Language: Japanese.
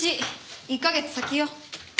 １か月先よ。